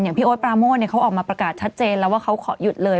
พี่โอ๊ตปราโมทเขาออกมาประกาศชัดเจนแล้วว่าเขาขอหยุดเลย